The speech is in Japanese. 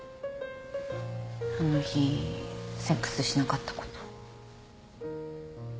あの日セックスしなかったこと。